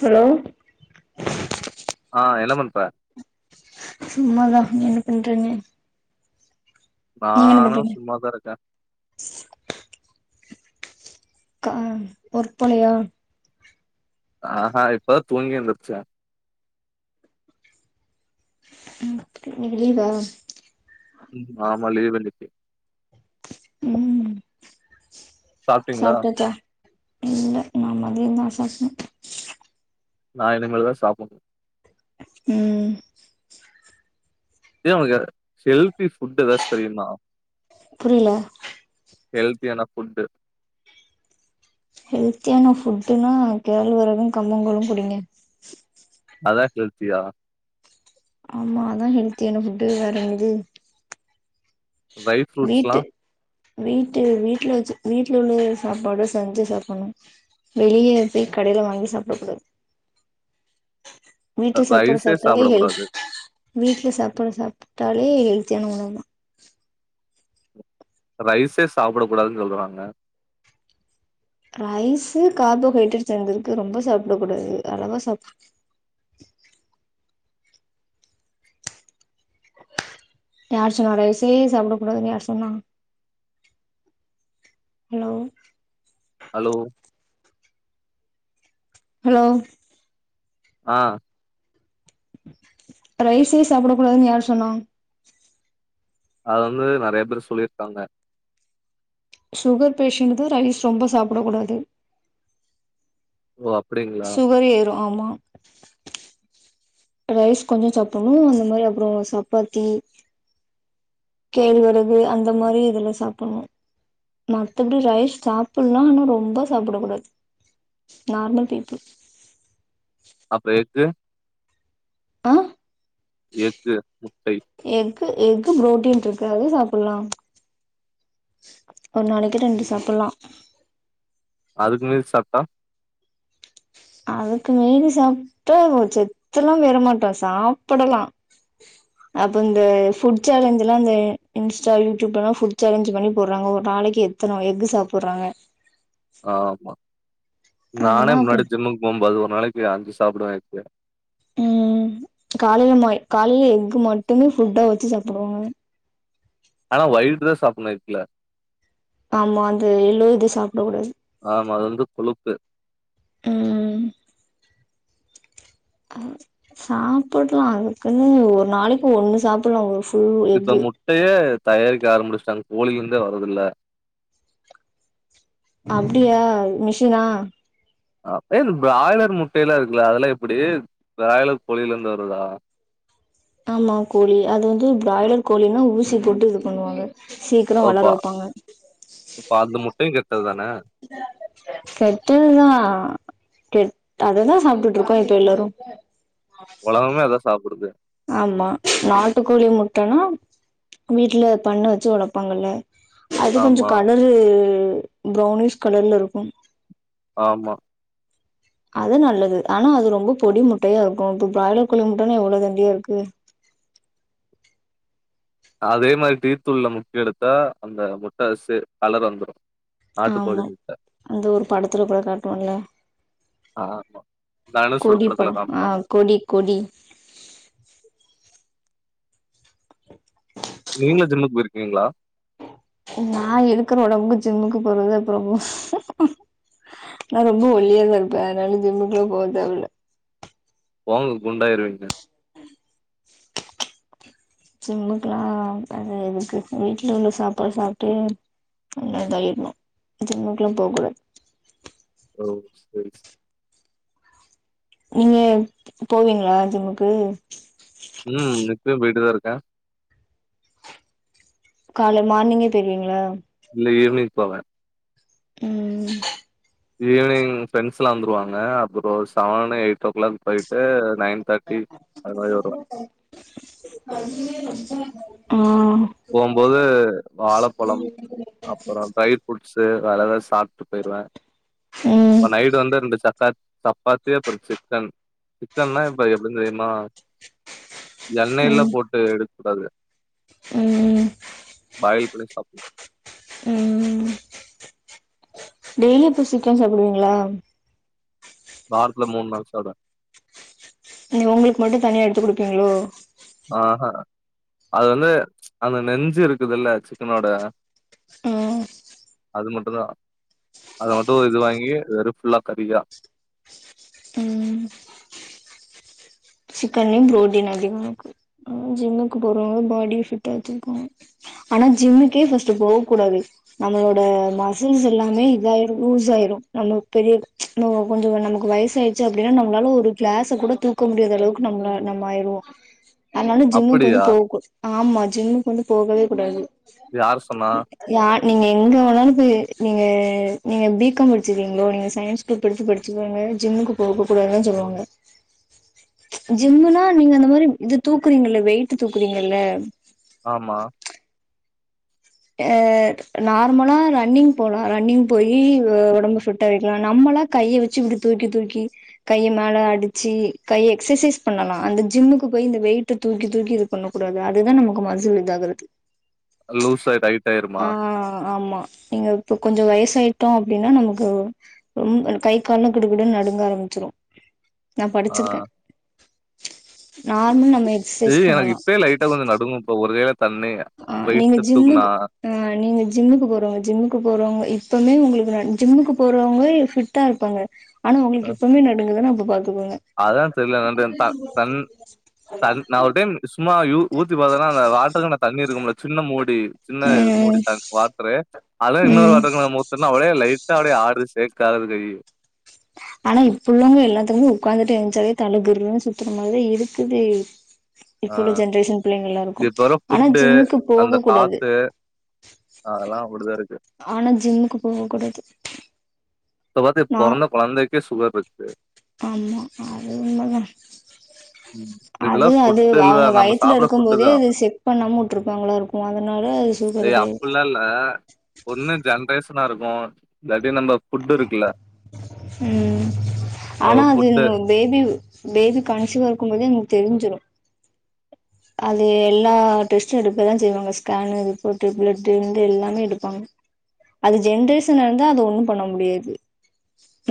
Hello ஆ என்ன பண்ற சும்மாதா என்ன பண்ற நீ நானு சும்மாதா இருக்கேன் ஒர்க் போலயா ஆ ஹா இப்பதா தூங்கி எந்திருச்சேன் இன்னைக்கு லீவா ஆமா லீவ் இன்னக்கி ம் சாப்ட்டீங்களா? சாப்டாச்சா இல்ல நா மதியந்தா [unintelligible] நா இனிமேல்தா சாப்னு ம் ஏ உனக்கு செல்பி ஃபுட் ஏதாச்சு தெரியுமா புரியல ஹெல்தியான ஃபுட்டு ஹெல்த்தியான ஃபுட்டுன்னா கேழ் வரகும் கம்மங்கூழ்ளும் குடிங்க அதா கெல்தியா ஆமா அதா ஹெல்த்தியான ஃபுட்டு வேற என்து ட்ரை ஃபுரூட்ஸ்லாம் வீட்டு வீட்ல வச்சு வீட்ல உள்ள சாப்பாடு செஞ்சு சாப்புணு வெளிய போய் கடைல வாங்கி சாப்புடக் கூடாது வீட்டு சாப்பாடு ரைஸே சாப்புட்டாலே கெல்த் சாப்பிடக்கூடாது. வீட்ல சாப்பாடு சாப் பழய்து கெல்தியான உணவுதா ரைஸ்சே சாப்ட கூடாதுன் சொல்றாங்க ரைஸ்சு கார்போஹைட்ரேட் சேந்துருக்கு ரொம்ப சாப்ட கூடாது அளவா சாப் யார் சொன்னா ரைஸ்சே சாப்ட கூடாதுன் யார் சொன்னா ஹலோ ஹலோ ஹலோ ஆஹ் ரைஸே சாப்பிடக்க கூடாதுன்னு யார் சொன்னோம் அது வந்து நிறைய பேர் சொல்லிருக்காங்க சுகர் பேஷன் த ரைஸ் ரொம்ப சாப்பிடக் கூடாது ஓ அப்டிங்களா? சுகர் ஏறும் ஆமா ரைஸ் கொஞ்சம் சாப்பிடணும் அந்த மாதிரி அப்புறம் சப்பாத்தி கேள் வரகு அந்த மாதிரி இதுல சாப்பிடணும் மத்தபடி ரைஸ் சாப்பிடலாம் ஆனா ரொம்ப சாப்பிடக்க கூடாது நார்மல் பீப்புிள் அப்ப எக்கு, ஆஹ எக்கு முட்டை எக்கு எக்கு புரோட்டீன் இருக்கு அதே சாப்பிடலாம் ஒரு நாளைக்கு ரெண்டு ம். சாப்பிடலாம் அதுக்கு மீறி சாப்பிட்டா அதுக்கு மெல சாப்பிட்டா செத்தலாம் வறமாட்டோம் சாப்பிடலாம் அப்ப இந்த புட் சேலஞ்ச் எல்லாம் இந்த இன்ஸ்டா யூடியூப்லாம் புட் சேஞ்ச் பண்ணி போடுறாங்க ஒரு நாளைக்கு எத்தனம் எக்கு சாப்பிடுறாங்க ஆ ஆமா நானே அதெல்லா அப்ப முன்னாடி ஜிம்க்கு போகும் போது நாளைக்கு அஞ்சு சாப்படுவவே உஹம் காலையில காலையில எக்கு மட்டுமே புஃபுட்டா வச்சு சாப்பிடுவாங்க ஆனா ஒயிட் ட்ரெஸ் சாப்பிடலாம் ஆமா அது எல்லோ இது சாப்பிட கூடாது ஆமா அது வந்து கொழுப்பு ஆஹ் சாப்பிடலாம் அதுக்குன்னு ஒரு நாளைக்கு ஒண்ணு சாப்பிடலாம் ஒரு ஃபுல் இது எக்கு முட்டையே தயாரிக்க ஆரம்பிச்சிட்டாங்க கோழிந்தே வரதல அப்படியா மிஷினா அ பிராய்லர் முட்டையல்லாம் இருக்குல்ல அதெல்லாம் எப்படி பிராய்லர் கோழில இருந்து வருதா ஆமா கோழி அது வந்து பிராய்லர் கோழனா ஊசி போட்டு இது பண்ணுவாங்க ஓ! சீக்கிரம் வளர பா வைப்பாங்க அப்ப அந்த முட்டையும் கெட்டது தானே? கெட்டதுதான் அததான் சாப்பிட்டுட்டு இருக்கோம் இப்ப எல்லாரும் உலகமே அதான் சாப்பிடுது ஆமா நாட்டுக்கோழி முட்டனா வீட்டுல பண்ண வச்சு வளப்பாங்கல்ல அது ஆமா, கொஞ்சம் கலரு ப்ரௌனிஷ் கலர்ல இருக்கும் ஆமா அது நல்லது ஆனா அது ரொம்ப பொடி முட்டையா இருக்கு இப்ப பிராய்லர் கோழி முட்டைன்னா எவ்வள தண்டியா இருக்கு அதே மாரி டீ தூள்ள முக்கி எடுத்தா அந்த முட்ட சே கலர் வந்துடு ஆமா அந்த ஒரு படத்துல கூட காட்டுவோம்ல ஆமா. தனுஷோட கொடி படத்துல படம் ஆ காமிப்பாங்க. கொடி கொடி [inaudible] நீங்களு ஜிம்க்கு போயிருக்கீங்களா நான் இருக்கற ஓடம்புக் ஜிம்முக்கு போறது அப்புற நா ரொம்ப ஒல்லியாத இருப்பே அதனால ஜிம்முக்கெல்லா போக தேவல்ல போங்க குண்டாயிருவீங்க ஜிம்முக்க அது இதுக்கு வீட்டுல உள்ள சாப்பாடு சாப்ட்டு ந இதாயிடணும் ஜிம்முக்கு எல்லா போகக்கூடாது ஓ சரி ச நீங்க போவீங்களா ஜிம்முக்கு ம். இப்பயும் [inaudible] கால மார்னிங்கே போயிருவீங்களா இல்ல ஈவ்னிங் போவே ம் ம் ஈவினிங் ஃப்ரெண்ட்ஸ் எல்லா வந்துருவாங்க அப்புற சவன்னு எயிட் ஓ கிளாக் போயிட்டு நைன் தேர்ட்டி அது மாரி வருவே [inaudible] ஆ போம்போது வாழப்பழம் அப்புற ட்ரை ஃப்ரூட்ஸு வேற எதாவது சாப்ட் போயிருவே ம் இப்ப நைட்டு வந்து ரெண்டு சப்பாத் சப்பாத்தி அப்புற சிக்கன் சிக்கன்ன்னா இப்ப எப்டினு தெரியுமா எண்ணெய்ல போட்டு எடுத் கூடாது ம் ம் ம் பாயில் பண்ணி சாப்டுவோ டெய்லியு அப்போ சீக்கன் சாப்டுவீங்களா வாரத்துல மூணு நாள் சாப்டுவே நீ உங்களுக்கு மட்டு தனியா எடுத்து குடுப்பீங்களோ ஆஹ அது வந்து அந்த நெஞ்சு இருக்குதுல்ல சிக்கனோட ம் அது மட்டுதா அதமட்டு இது வாங்கி வெறு ஃபுல்லா கறிதா ம் சிக்கன்லயு பு்ரோட்டீன் அதிக இருக்கு ஆ ஜிம்முக்கு போறவங்க பாடி ஃபிட்டாச்சிருக்காங்க ஆனா ஜிம்முக்கே ஃம்ம்பர்ஸ்ட்ட் போககூடாது நம்மளோட மசில்ஸ் எல்லாமே இதாயுரு லூஸ் ஆயிரு நம்ம பெரியம கொஞ்ச நமக்கு வயச ஆடுச்சு அப்டின்னா நம்மளால ஒரு கிளாஸை கூட தூக்க முடியாத அளவுக் நம்மள நம்ம ஆயிருவோ அதனால ஜிம்முக்கு அப்படியா வந்து போக ஆமா ஜிம்முக்கு வந்து போகவே கூடாது யார் சொன்னா யா நீங்க எங்க வேனாலு போய் நீங்க நீங்க பி கம் படிச்சிருக்கீங்களோ நீங்க சயின்ஸ் படித்து படிச்சுங்க ஜிம்முக்கு போக கூடாது சொல்லுவாங்க ஜிம்முனா நீங்க அந்த மாரி இது தூக்குறீங்கல்ல வெயிட் தூக்குறீங்கல்ல ஆமா அ நார்மலா ரன்னிங் போலா ரன்னிங் போய் உடம்பு ஃபிட்டா வைக்கலா நம்மளா கையை வச்சு இப்படி தூக்கி தூக்கி கையை மேல அடிச்சி கையை எக்ஸசைஸ் பண்ணலா அந்த ஜிம்முக்கு போய் இந்த வெயிட்ட தூக்கி தூக்கி இது பண்ண கூடாது அதுதான் நமக்கு மஸில் இதாகது சேருமா ஆமா நீங்க இப்ப கொஞ்சம் வயசாயிட்டா அப்பிடின்னா நமக்கு கை கால்ல கிடுக்கிடுன்னு நடுங்க ஆரம்பிச்சிடும் நா ஆ படிச்சிருக்கேன் ஏய் எனக்கு பண்ணலா இப்பே லைட்டா கொஞ்சம் நடுங்கும் இப்ப ஒரு கைல தண்ணி ஆ நீங்க வெயிட்ட தூக்குனா ஜிம்முக்கு ஆ நீங்க ஜிம்முக்கு போறவுங்க ஜிம்முக்கு போறவுங்க எப்பவுமே உங்களுக்கு ஜிம்முக்கு போறவங்களா ஃபிட்டா இருப்பாங்க ஆனா உங்களுக்கு இப்பவுமே நடுங்குதுனா அதுதான் தெர்ல நன் தன் தன் நா ஒரு டைம் சும்மா ஊத்தி பாத்தேன்னா அந்த வாட்டர்கேன்ன தண்ணி இருக்கும்ல சின்ன மு டி சின்ன ம் மூடி தண் வாட்ரு அத இன்னொரு ம் வாட்ருக்கு மேல ஊத்தினா அப்டியே லை அப்டியே ஆடுது சேக் ஆவுது கையி ஆனா இப்பள்ளவுங்க எல்லாத்துக்குமே உட்காந்து எலுச்சாலே தழு கருன்னு சுத்துற மாரிதா இருக்குது இப்ப ஆ உள்ள ஜென்ரேஷன் பிள்ளைங்க இது எல்லாருக்கும் இப்ப வர ஆனா ஃபுட்டு ஜிம்முக்கு அந்த போக கூடாது காத்து அதெல்லா அப்டிதா இருக்கு ஆனா ஜிம்முக்கு போக கூடாது இப்ப பாத்தா நா பொறந்த குழந்தைக்கு சுகர் இருக்கு ஆமா அது உண்மதா ம் இதெல்லா அது அது ஃபுட்டு இல்ல அவுங்க நம்ம வயத்துல சாப்ட்ற இருக்கும் ஃபுட்டு போதே தா அது செக் பண்ணாம விட்டருப்பாங்களோ இருக்கும் அதனால அது சுகர் ஏய் இதா இருக்கு அப்பில்லா னா இருக்கும் இல்லாட்டி நம்ம ஃபுட் இருக் இல்ல ம் ஓ ஆனா அது ஃபுட்டு. பேபி பேபி கண்சிவா கும்போது எங்களுக்கு தெரிஞ்சுரும் அது எல்லா டெஸ்ட்டு எடுக்கதான் செய்வாங்க ஸ்கேனு ரிப்போர்ட் ப்ளட் எல்லாமே எடுப்பாங்க அது ஜென்ரேஷன் இருந்தா அத ஒண்ணு பண்ண முடியாது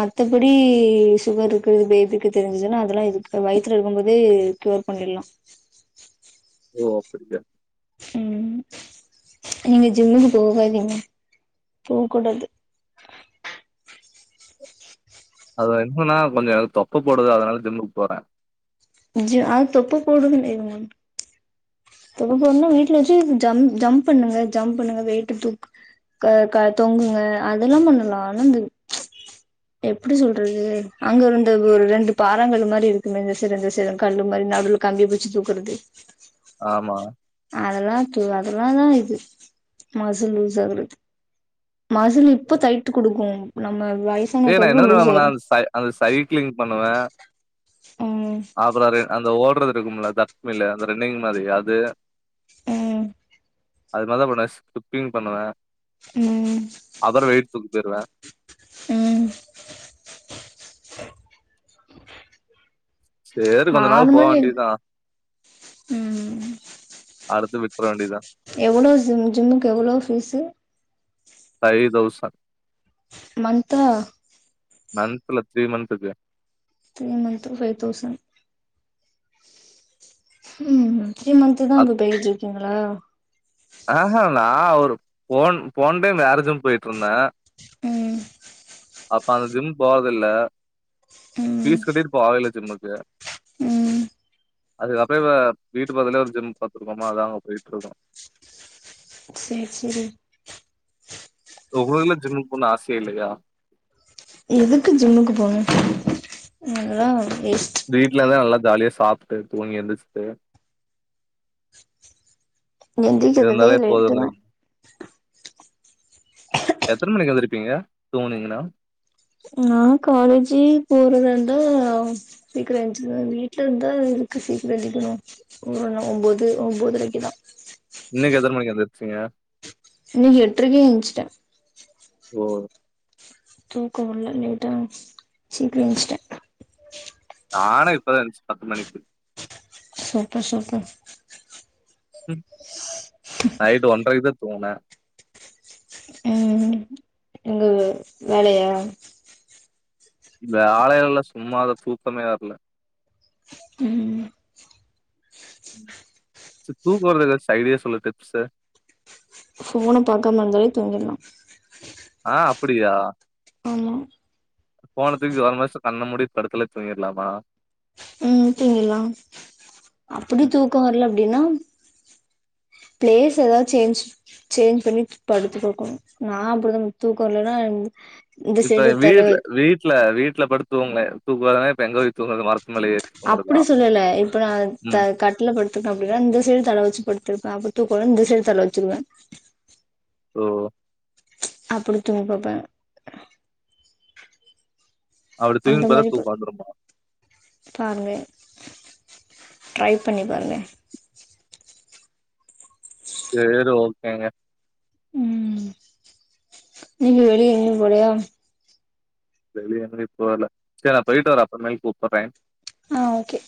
மத்தபடி சுகர் இருக்குது பேபிக்கு தெரிஞ்சதுன்னா அதெல்லா இதுக்கு வயித்துல இருக்கும் போதே கியூர் பண்ணிடலாம் ஓ அப்படியா ம் நீங்க ஜிம்முக்கு போகாதீங்க போ கூடாது அது என்னன்னா கொஞ்ச எனக் தொப்ப போடுது அதனால ஜும்முக்கு போறேன் ஜ அ தொப்ப போடுதுனு வைங்க ப்ப போறன்னா வீட்டுல வச்சு ஜம் ஜம்ப் பண்ணுங்க ஜம்ப் பண்ணுங்க வெயிட்டு தூக் க தொங்குங்க அதெல்லாம் பண்ணலாம் ஆனா அ எப்படி சொல்றது அங்க இருந்த ஒரு ரெண்டு பாரங்கல் மாரி இருக்குமே இந்த சைடும் அந்த சைடு ம் கல் மாரி நடுவுல கம்பிய புடிச்சு தூக்குறது ஆமா அதெல்லா த அதெல்லா தான் இது மஸில் லூஸ் ஆவுது மஸில் இப்போ டையிட்டு குடுக்கும் நம்ம வயசான ஏ நா கருவு என்னன்ன லூஸ் பண்ணல ஆயிரு அந்த அந்த சைகிளிங் பண்ண நவ ம் அப்றோ ரே அந்த ஓடுறது இருல தக்மல அந்த ரன்னிங் மாதிரி அது ம் அது மாதிதா பண்ணுவே ஸ்கிப்பிங் பண்ணுவே ம் அப்றோ வெயிட்டு தூக் போயிடுவே ம் சரி கொஞ்ச நாள் போக நார்மல் வேண்டியதா ம் அடுத்து விட் போ வேண்டியதா எவ்வளோ ஜிம் ஜிம்முக்கு எவ்வளோ ஃபீசு ஃபையிதோஸண்ட் மந்தா மந்த்தல த்ரீ மன்த்க்கு த்ரீ மந்த்துக்கு ஃபயிவ் தௌசண்ட் ம் ம் த்ரீ மந்த் தா இப்ப பேய்கிட் இருக்கீங்களா ஆஹ்ஹா நா ஒரு போன் போன் டைம் வேற ஜிம் போயிட்டு இருந்தே ம் அப்ப அந்த ஜிம் போறத இல்ல ம் ஃபீஸ் கட்டிட்டு போகல ஜிம்முக்கு ம் அதுக்கப்புறோ இ வீட்டு பதல ஒரு ஜிம் பாத்துருக்கோமா அதா அங்க போயிட்டு இருக்கோ செரி செரி உங்ளுக்லா ஜிம்முக் போண்ணுன் ஆசையே இல்லையா எதுக்கு ஜிம்முக்கு போனு எல்லா ஓகே வீட்டுலதா நல்லா ஜாலியா சாப்பிட்டு தூங்கி எந்திரச்சுட்டு எந்திக்கிறதுதே லேட்டு தா எத்தன மணிக்கு ஏந்திருப்பீங்க தூங்னீகன்னா நா காலேஜி போறத இருந்தா சீக்கிரம் எஞ்சிடுவ வீட்டுல இருந்தா எதுக்கு சீக்கிரோ எந்திருக்கணு ஒ ஒன்பது ஒம்பதரைக்குதா இன்னிக்கு எத்தன மணிக்கு எந் சீங்க நீ எட்ரைக்கே எச்சிட ஓ தூக்கமுல லேட்டா சீக்கிரம்ச்சிட்டே நானே இப்பதா எந்துச்ச பத்து மணிக்கு சூப்பர் சூப்பர் ம் நைட்டு ஒன்றைக்குதா து தூங்ன ம் எங்க வேலையா வேலை எல்லா சும்மாதா தூக்கமே வர்ல ம் தூங்க வரத்துக்கு ஐடியா சொல்லு டிப்ஸ் போன்ன பாக்காம இருந்தாலே தூங்கிடலாம் ஆ அப்புடியா போன்ன துக்கி ஒரமா வச்சுட் கண்ண மூடி படுத்தாலே தூங்கிலாமா எல்லா அப்டி தூக்க வர்ல அப்டில்லா பிளேஸ் எதாது சேஞ் சேஞ்சு பண்ணி படுத்துகட்டு நா அப்புடுதா எனக்கு தூக்க வரலன்னா இப்ப வீடுல வீட்ல வீட் ல படுத்த தூங்க தூங்கவராத இப்ப எங்க போய் தூங்குறது மரத் அப்டி சொல்லல இப்ப நா ம் கட்டுல்ல படுத்துருக்கேன் அப்டின்னா இந்த சைய்டு தல வச்சு படு துப்பே அப்டி தூக்க வல்லனா இந்த சைய்டு தல வச்சுடுவே ஓ அப்டி தூங்க பாப்பே அப்டி தூங்கி அந்த பாத்தா மாரி ப தூக்கோ வந்துருமா பாருங்க ட்ரை பண்ணி பாருங்க சேரி ஓகேங்க ம் நீங்க வெளிய எங்கியு போலயா வெளிய எங்கயு போல சேரி நா போயிட்டு வரே அப்புறமேல் கூப்புடுறே ஆ ஓகே